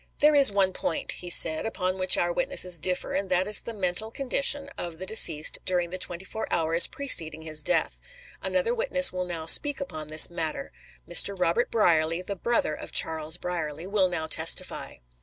"There is one point," he said, "upon which our witnesses differ, and that is the mental condition of the deceased during the twenty four hours preceding his death. Another witness will now speak upon this matter. Mr. Robert Brierly, the brother of Charles Brierly, will now testify."